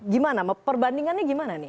gimana perbandingannya gimana nih